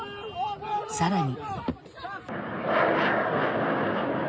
更に。